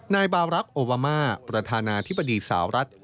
นายบารักษ์โอบามาประธานาธิบดีสาวรัฐ